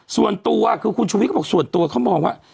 ส่วนตัวคือต่อส่วนตัวเขาบอกว่า